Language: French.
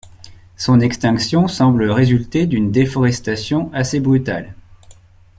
Son extinction semble résulter d’une déforestation assez brutale.